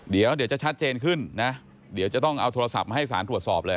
เดี๋ยวจะต้องเอาโทรศัพท์มาให้สารตรวจสอบเลย